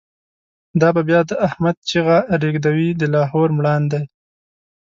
دا به بیا د« احمد» چیغی، ریږدوی د لاهور مړاندی